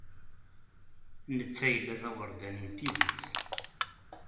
Netta yella d awerdani n tidet.